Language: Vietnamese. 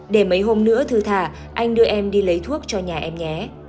để mấy hôm nữa thư thả anh đưa em đi lấy thuốc cho nhà em nhé